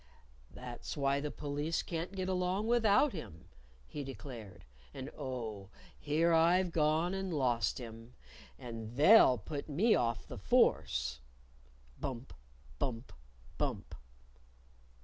"That's why the Police can't get along without him," he declared. "And, oh, here I've gone and lost him! And They'll put me off the Force!" (Bump! bump! bump!)